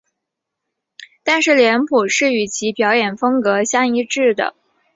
但是脸谱是与其表演风格相一致的。